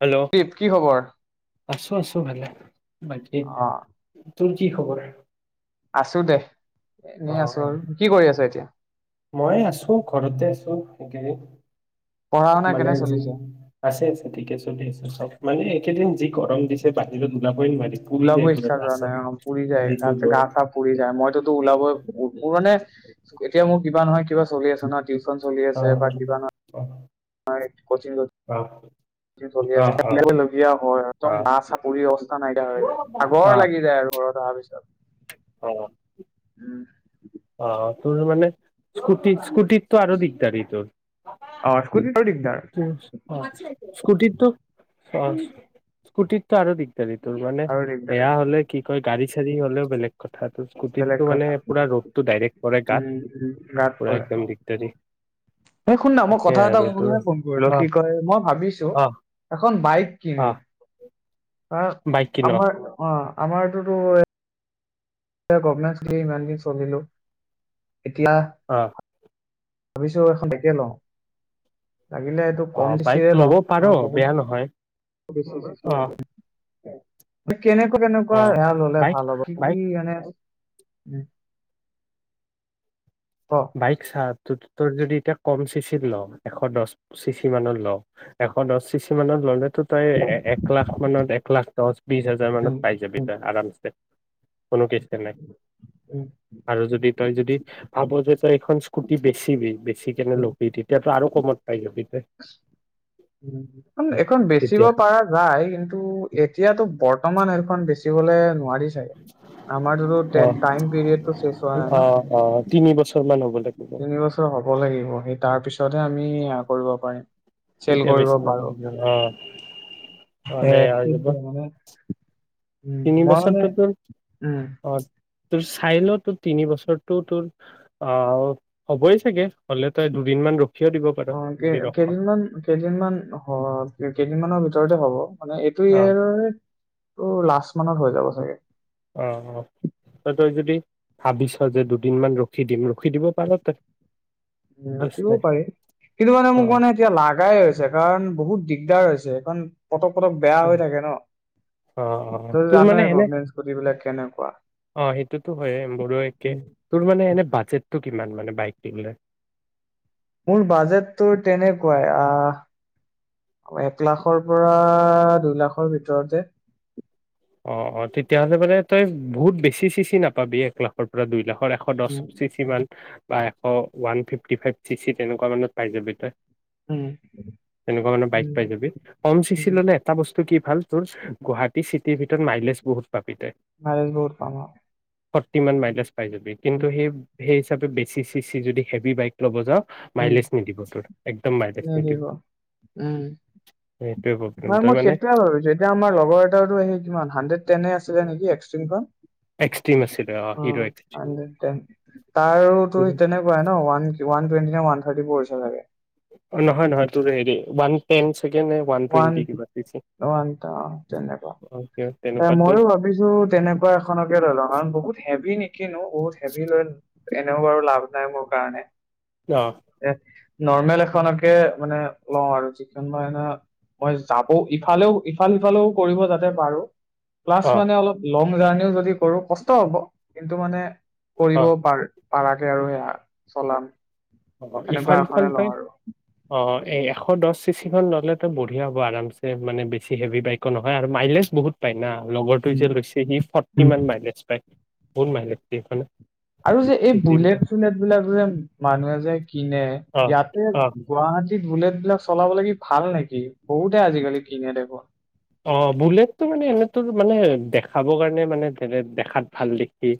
Hello দীপ কি খবৰ আছো আছো ভালে মে অ তোৰ কি খবৰ আছো দে অ এনেই আছো অ আৰু কি কৰি আছ এতিয়া মই আছো ঘৰতে আছো পঢ়া সেইক শুনা মানে কেনে যি চলিছে? আছে চ ঠিকে চলি আছো চব মানে একেদিন যি গৰম দি পা দু ওলাব ইচ্ছা যোৱা নাই অ পুৰি যায় যিটো ৰ'দ গ অ গা চা পুৰি যায় মইততো ওলাব মোৰ মানে এতিয়া মোৰ কিবা নহয় কিবা চলি আছে ন চলি আছে ব দিব অ অ অ অ ছেে লগীয়া একদম বাঁহ অ চাপৰি অ সা নাইকিয়া হৈ যায় আগৰ অ লাগি যায় আৰু ঘৰত অহাৰ পিছত অ উম অ তোৰ মানে স্কুটি স্কুটিৰতো আৰু দিগদাৰী তোৰ অ কু স্কুটিত স্কুটিৰটোো আৰু দিগ ৰিোৰ মানে আৰু দিগদাৰ এয়া হলে কি কয় গাড়ী ইাদি হ'ও বেলেগ কথাটো বেলেগ স্কুটিতটো মানে কথা পুৰা ৰ'দটো ডাইৰেক্ট পৰে গাত উম উম গাত পৰে পুৰা একদম দিগদাৰি এই শুন ন মই তাকে কথা এটা আৰু তোৰ কৰিল অ কি কয় মই ভাবিছো অ বাইক অ কিনো অ বাইক কিন অ আমাৰ অ আমাৰটোতো- এটা গভনেঞ্চ দি ইমান দিন চলিলো। এতিয়া ভাবিছো এখন একে লওঁ। লাগিলে এইটো অ কম বাইক চিচিৰে লব লওঁ পাৰ আৰু বহুত বেয়া নহয়। অ [unintelligible] [inaudible] কেনেকুৱা অ কেনেকুৱা এয়া ললে বাইক ভাল হ'ব কি কি বাইক এন এছ উম। ক বাইক চা ত তই যদি এতিয়া কম চিচিত ল এশ দছ চিচি মানত ল, এশ দছ চিচি মানত ল'লে টো তই এক লাখ মানত এক লাখ দচ বিশ হাজাৰ মানত উম, পাই যাবি তই আৰাম কোনো কিচে নাই। উম, আৰু যদি তই যদি ভাব যে তই এইখন স্কুটি বেছিবি ফিৰতে বোলে উম, লবি তেতিয়া তোৰ আৰু কমত পাই যাবি। তই উম, এইখন বেচিব তেতিয়া পাৰা যায়। কিন্তু এতিয়াতো বৰ্তমান সেইখন বেছি বেচিবলৈ নোৱাৰি চাগে, অ আমাৰটোত টাইম পিড়িয়েটো চেছ হোৱা নাই অ ন। অ তিনি বছৰ মান হ'ব লাগিব তিনি বছৰ হ'ব লাগিব। সেই তাৰ পিছতহে আমি সেয়া কৰিব পাৰিম। চেল এতিয়া কৰিব বেছি ন পাৰো আহ অ' এ অলে আৰু যাব। সেইটোৱে মানে উম তিনি মই মানে বছৰটোতৰ উম অ' তোৰ চাই ল তোৰ তিনি বছৰটো তোৰ অ' হ'বই চাগে হ'লে তই দুদিনমান ৰখ ৰখিও দিব পাৰ অ' যদি অ কেইদিনমান কেইদিনমান অ' কেইদিনমানৰ ভিতৰত ওচৰতে হ'ব। মানে এইটো ইয়াৰৰে তো লাষ্ট মানত হৈ যাব চাগে। অ', অ', তই যদি ভাবিছ যে, দুদিন মান ৰখি দিম, ৰখি দিব পাৰ তই। কেচ ৰাখিবও নাই পাৰি কিন্তু মানে অ মোক মানে এতিয়া লাগাই হৈছে কাৰণ বহুত দি দিগদাৰ হৈছে এখন অ অ তই তোৰ মানে জানই এনে গভমেন্ট স্কুটি বিলাক কেনেকুৱা অ সেইটোতো হয় মোৰো একে উম, তোৰ মানে এনে বাজেট টো কিমান মানে বাইক দিবলে মোৰ বাজেট তটো তেনেকুৱাই আহ এক লাখৰ পৰা দুই লাখৰ ভিতৰতে অ অ তেতিয়াহ'লে বানে তই বহুত বেছি চিচি নাপাবি এক লাখৰ পৰা দুই লাখ এশ দহ উম, চিচি মান বা এশ ওৱান ফিফটি ফাইভ ছিক্সি তেনেকুৱা মানত পাই যাবি তই উম। তেনেকুৱা মানে বাইক উম, পাই যাবি কম চিচি উম, ললে এটা বস্তু কি ভালটোৰ গুৱাহাটী চি টি ভিতৰত মাইলেজ বহুত পাবি তই মাইলেজ বহুত পাম আৰু। ফৰটী মান উম, মাইলেজ পাই জাবি কিন্তু উম, সেই হিচাপে বেছি চি চি যদি হেভি বাইক ল'ব যাওঁ উ মাইলেজ নিদিব তোৰ একদম মাইলেজ নিদিব উম সেইটোৱে প্ৰব্লেম হয় তই মই মানে সেইটোয়ে ভাবিছো এতিয়া আমাৰ লগৰ এটাওটো আহি কিমান হাণ্ড্ৰেড টেনে আছিলে নেক এক্সট্ৰিংখন এক্সট্ৰিম আছিলে অ হিৰো এক্সটিম তাৰো তো তেনেকুৱাই ন one one twenty one thirty four পইচা লাগে নহয় নহয় তোৰ হেৰি ওৱান টেন চাগে নে ওৱান টুৱেণ্টি কিবা দিছে অ কিবা তেনেকুৱা এ তেনেকুৱা তোৰ ময়ো ভাবিছো তেনেকুৱা এখনকে লৈ লও কাৰণ বহুত হেভি নেকি কিনো ত হেভি লৈ এনে বাৰো লাভ নাই মোৰ কাৰণে আহ এ নৰ্মেল এখনকে মানে লওঁ আৰু যিখন বা এনা মই যাব ইফালেও ইফাল সিফালেও কৰিব যাতে পাৰো ক্লাছ অ মানে অলপ লং জাৰ্ণিও যদি কৰো কষ্ট হ'ব কিন্তু মানে অ কৰিব পাৰ পাৰাকে আৰু সেয়া চলাম অ' এনেকুৱা ইফাল সিফাল এখনে লওঁ কৈ আৰু অ' এ এশ দহ চিচিখন ল'লেতো বঢ়িয়া হ'ব। আৰামছে মানে বেছি হেভি বাইকও নহয়, আৰু মাইলেজ বহুত পায় না। লগৰটো যে উম লৈছে সি ফৰ্টি মান উম। মাইলেজ পাই। কোন মাইলেজ এই খানে আৰু যে', এই বুলেট- চুলেট বিলাক যে', মা মানুহে যে, কিনে অ ইয়াতে অ গুৱাহাটী বুলেট বিলাক চলাব লাগি ভাল নেকি? বহুতে আজিকালি কিনে দেখোন? অ' বুলেটটো মানে এনেতোৰ মানে দেখাবৰ কাৰণে, মানে দেখাত ভাল দেখি,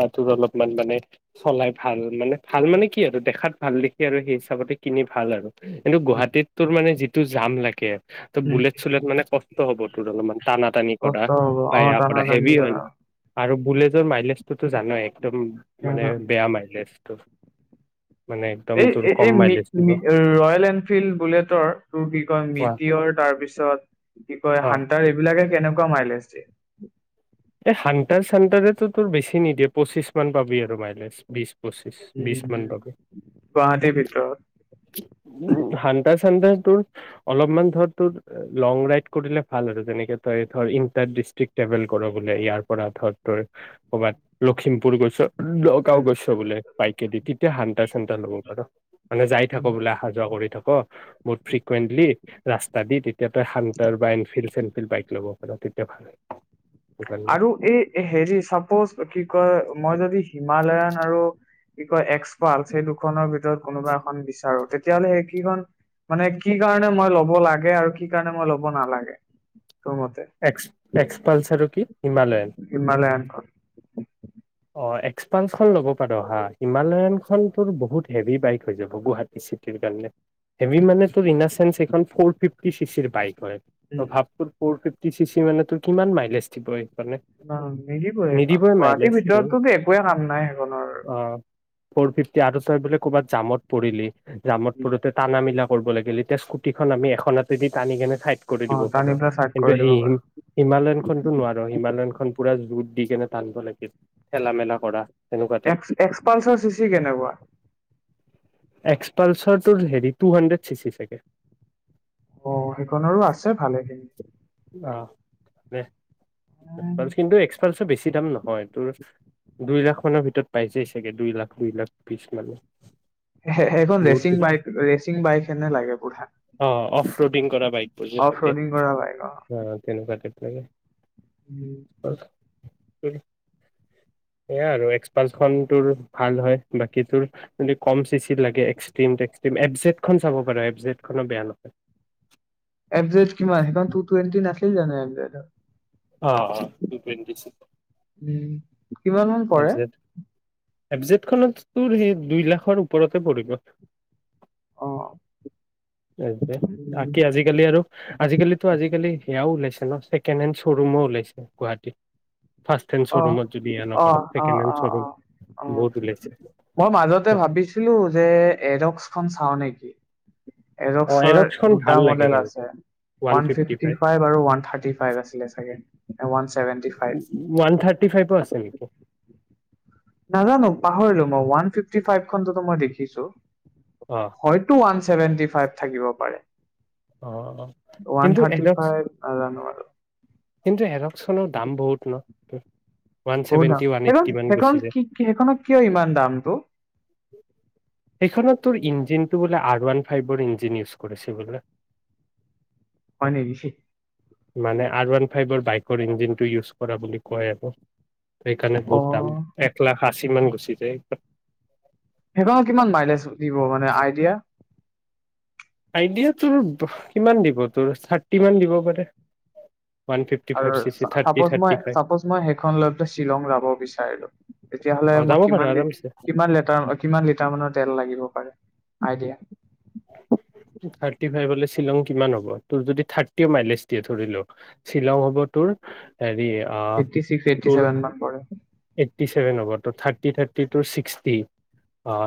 বা তোৰ অলপমান মানে চলাই ভাল মানে, ভাল মানে কি আৰু দেখাত ভাল- দেখি আৰু সেই হিচাপতে কিনি ভাল আৰু। কিন্তু উম, গুৱাহাটীত তোৰ মানে যি টো যাম লাগে। ত ', উম, বুলেট- চুলট মানে কষ্ট ত', হ'ব তোৰ অলপমান টানা -টানি কৰা কষ্ট হ'ব বা অ এয়া টানা কৰা টানি হেভি হয় ন', আৰু বুলেটৰ মাইলেজটোতো জানাই একদম মানে কৰা বেয়া মাইলেজ। তোৰ এই ', -এই কম মাইলেজ দিব ৰয়েল- এনফিল্ড বুলেটৰ তোৰ কি কয় অ মিটিঅৰ তাৰপিছত কি', -কয় অ হান্তাৰ এইবিলাকে কেনেকুৱা মাইলেজ দিয়ে? এই হান্তাৰ -চানটাৰে তো, তোৰ বেছি নিদিয়ে পঁচিশ-মান পাবি আৰু মাইলেজ বিশ পঁচিছ বিশ উম মান পাবি ', গুৱাহাটীৰ ভিতৰত। উ ', - হাণ্টাৰ -চান্তাৰ তোৰ অলপমান ধৰ', তোৰ লং -ৰাইড কৰিলে ভাল আৰু, যেনেকে তই ধৰ ইণ্টাৰ -ডিষ্ট্ৰিক্ ট্ৰেভেল কৰ বোলে, ইয়াৰ পৰা ধৰ তোৰ ক'ৰবাত লখিমপুৰ গৈছ, নগাওঁ উম। গৈছ বোলে বইকেদি, তেতিয়া হান্তাৰ- -চান্তাৰ ল'ব পাৰ। মানে যাই থাক বোলে অহা যোৱা কৰি থাক বহুত, ফ্ৰিকুৱেণ্টলি ৰাস্তা দি তেতিয়া হান্তাৰ বা এনফিলল্ড- চেনফিল্ড, বাইক ল'ব পাৰ তেতিয়া ভাল হয়। আৰু এই, হেৰি চাপোজ কি কয় মই', যদি হিমালয়ান আৰু, কি কয় এক্স -পালচ সেই দুখনৰ ভিতৰত কোনোবা এখন বিচাৰো তেতিয়াাহলে সেইকেইখন মানে কি কাৰনেে মই লব লাগে, আৰু কি কাৰনে মই ল'ব নালাগে? তোৰ মতে এক্স - এক্সপালচ ৰকী হিমালয়ান, হিমালয়ানখন অ', -এক্সপালখন ল'ব পাৰ হা', হিমালয়ানখন তোৰ বহুত হেভি বাইক হৈ যাব গুৱাহাটী চিটিৰ কাৰণে, হেভি মানে তোৰ ইন - দা - চেন্ঞ্চ এইেইখন ফ'ৰ -ফিফটি চি- চিৰ বাইক। হয় ভাগপুৰ ফৰফিপ, টি ', -চি -চি মানে তোৰ কিমান মাইলেজ দিবই, অ ', নিদিবই গুৱাহাটী ভিতৰত, তোৰ কি একোৱে কাম নাই সেইখনৰ, অ ফ'ৰ ফিফটি আৰু তই বোলে ক'ৰবাত জামত পৰিলি, জামত উম পৰোতে তানা- মিলা, কৰব লাগিল এতিয়া স্কুটিখন আমি এখন হাতে দি টানি কেনেই চাইদ, কৰি অ দিব পাৰো টানি পেলাই চাইড কিন্তু কৰি দিব সেই পাৰো হিমালয়ন খনটো নোৱাৰ হিমালয়ন খন পুৰা জুদ, দি ', কেনে, টানব লাগিল। ঠেলা- মেলা কৰা। তেনেকুৱা টাইপ এক্স এক্সপালচাৰ চি চি কেনেকুৱা এক্সপালছাৰটোৰ হেৰি টু হাণ্ড্ৰেড ছিক্সটিছেকেণ্ড অ সেইখননৰো আছে ভালে খিনি অঁ দে পালছ কিন্তু এক্সপালচৰ বেছি দাম নহয় তোৰ দুই লাখ মানৰ ভিতৰত পাইছেই চাগে দুই লাখ দুই লাখ বিশ মানত হে হে সেইখন ৰেচিং বাইক ৰেচিং বাইক হেনে লাগে বুঢ়া অ অফ ৰডিং কৰা বাইকবোৰ যে অফ থাকে ৰডিং কৰা বাইক অ তেনেকুৱাতে তনেকে উ সেয়া আৰু এক্সপালখন ত ভাল হয় বাকী তোৰ যদি কম চি চি লাগে এক্সটি ট্স এফচজেটখন চাব পাৰৰ এফজেটখনো বেয়া নহয় এফ জেড কিমান সেইখন টু টুৱেণ্টি নাছিলে জানোৰ এমবেদৰ অ অ টু টুৱেণ্টি চ্স উম কিমান মান পৰে এবজেটখনত তোৰ সেই দুই লাখৰ ওপৰতে পৰিব অ এফজেট উম বাকি আজিকালি আৰু আজিকালি আজিকালি সেয়াও ওলাইছে তেনাচটি কেমেক্ৰ শ্বৰুমো ওলাইছে গুৱাহীত অ অ অ হেণ্ড অ অ শ্ব'ৰুম অ বহুত ওলাইছে মই মাজতে ভাবিছিলো যে এডক্স খ চাও নেকি অ এজক্সৰ এৰক্সখন ভাল দুটা লাগে মডেল কিন্তু আছে ওৱান ফিফটি ফাইভ আৰু থাৰ্টি ফাই আছিল ৱান থাৰটি [inaudible] [inaudible] ফভ আছে নেকি নাজানো পাহৰিলো মই ওৱান ফিফটি ফাইভখনতো মই দেখিছো অ হয়তো ওৱান [inaudible] চেৱেন্তি ফাইভ থাকিব পাৰে অ অ ওৱান কিন্তু থাৰ্টি এৰক্স ফাইভ নাজানো আৰু কিন্তু [inaudible] [inaudible] দাম বহুত ন [inaudible] ওৱান বহু দাম ছেভেন্টি ওৱান সেইখন এইট্টি মান সেইখন গুচি যায় কি কি সেইখনত কিয় ইমান দামটো সেইখনত তোৰ ইঞ্জিনটো বোলে আৰ ওৱান ফাইভৰ ইঞ্জিন ইউজ কৰিছে বোলে হয় নেকি [inaudible] মানে আৰ ওৱান ফাইভৰ বাইকৰ ইঞ্জিনটো ইউজ কৰা বুলি কয় আৰু সেইকাৰণে অ বহুত দাম এক লাখ আশী মান গৈছে [inaudible] সেইখনত কিমান মাইলেজ দিব মানে আইডিয়া? আইডিয়া তোৰ কিমান দিব তোৰ থাৰ্টি মান দিব পাৰে। ওৱান ফিফটি আৰু ফাইভ চি চি আৰু থাৰ্টি চাপচ মই থাৰ্টি ফাইভ চাপচ মই সেইখন লৈ শ্বিলং যাব বিচাৰিলো তেতিয়াহলে অ যাব মই পাৰো কিমান লি আৰামছে কিমান লেটাৰ কিমান লিটাৰ মানৰ তেল লাগিব পাৰে। আইদিয়া। থাৰ্টি ফাইভ হলে শ্বিলং কিমান হ'ব তোৰ যদি থাৰ্টি মাইলেজ দিয়ে ধৰিলো শ্বিলং হ'ব তোৰ। হেৰি এইটি ছিক্স এইটি ছেভেন মান পৰে। ফ্ৰিপটি চেভেন হ'ব ত' thirty thirty two sixty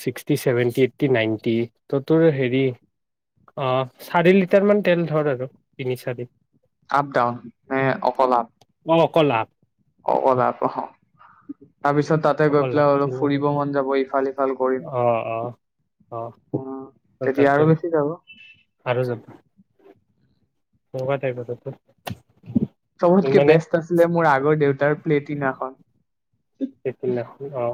sixty seventy eighty ninety ত'। তোৰ হেৰি অ চাৰি লিটাৰ মান তেল ধৰ আৰু তিনি চাৰি আপ ডাউন ন অকল আপ অ অকল আপ। অকল আপ অ। তাৰপিছত তাতে গৈ পেলাই অলপ ফুৰিব মন যাব ইফালে। অহঃ অহ অহ। তেতিয়া আৰু বেছি যাব। আৰু যাম সবাতাইিব তোটো চবতকে বেষ্ট আছিলে মোৰ আগৰ দেউতাৰ প্লেটিনাখন সেইদিনাখন অ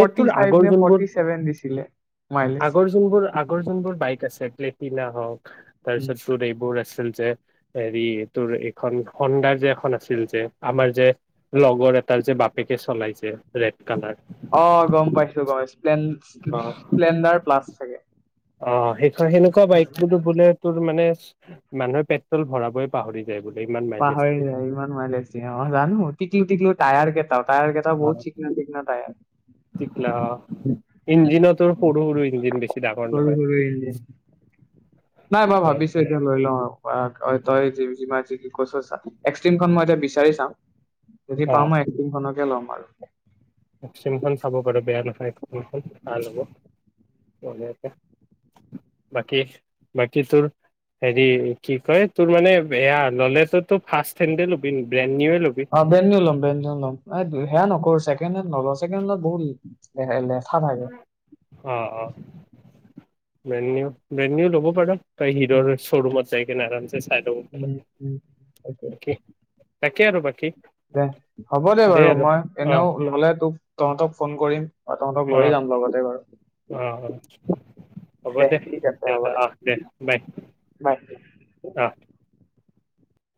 এই তোৰ আগৰ ফাইব নে যোনবোৰ ফৰ্টি চেভেন দিছিলেনে ফেভেন দিছিলে। মাইলেজ আগৰ যোনবোৰ আগৰ যোনবোৰ বাইক আছে। প্লেটিনা হওক। তাৰপিছত তোৰত এইবোৰ আছে। আছিল যে হেৰি এই তোৰ এইখন হোন্দাৰ যে এখন আছিল যে আমাৰ যে লগৰ এটাৰ যে বাপেকে চলাইছে ৰেড কালাৰ। অ গম পাইছো গম পাইছো। স্প্লেণ্ডাৰ প্লাছ থাকে। অ সেইখন সেনেকুৱা বাইক বোলে তোৰ মানে মানুহে পেট্ৰল ভৰাবই পাহৰি। যায় বোলে ইমান মাইলেজ পাহৰি দিয়ে যায় ইমান মাইল আছে অ জানো টিকলু টিকলো। তায়াৰ কে? তায়াৰ কেটা বহত অ চিিকনা চিিকনা তায়াৰ। ইঞ্জিনততো সৰু সৰু ইঞ্জিন বেছি ডাঙৰ সৰু নহয়। সৰু ইঞ্জিন নাই মই ভাবিছো এতিয়া লৈ লওঁ আৰু। পৰাগ এই তই জিম জিমাৰ কৈছা এক্সট্ৰিমখন মই এতিয়া বিচাৰি চাম। যদি পামই একদখনত। কে লম আৰু অবচন খন চাব পাৰ বেয়া নহয় ভাল হব বাকী বাকী তোৰ হেৰি কি কয় তোৰ মানে বেয়া নলেজতো ফাৰ্ষ্ট ফেন্দে লবি। ল'বি অ বেনলম বেনলম আইি সেয়া নকৰো ছেকেণ্ড হেন্দ নলও ছেকেণ্ড হেন্দ ললে বহুত থাকে অ অ বেন্দ নিউ ল'ব পাৰ ত উম, হিৰৰ শ্ব'ৰুমত যায় কিনে আৰামছে চাই লব উম, উম। তাকে। পাৰ তাকে আৰু বাকী দে হ'ব দে বাৰু আৰু মই অ এনেও ললে তোক তহঁতক ফোন কৰিম তহঁতক অ লৈয়ে যাম লগতে বাৰু অ অ হ'ব দে ঠিক আছে হ'ব দাদা আহ দে বাই বাই অ